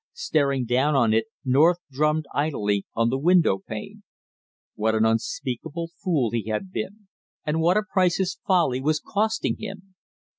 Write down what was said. Staring down on it, North drummed idly on the window pane. What an unspeakable fool he had been, and what a price his folly was costing him!